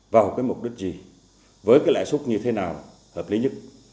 vào cái mục đích gì với cái lãi suất như thế nào hợp lý nhất